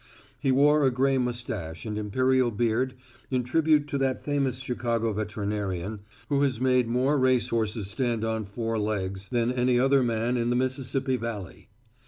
He wore a gray mustache and imperial beard in tribute to that famous Chicago veterinarian who has made more race horses stand on four legs than any other man in the Mississippi Valley.